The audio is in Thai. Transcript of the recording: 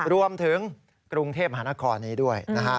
รวมถึงกรุงเทพมหานครนี้ด้วยนะฮะ